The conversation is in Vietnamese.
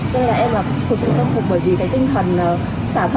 cho nên là em là thực sự tâm phục bởi vì cái tinh thần xả thân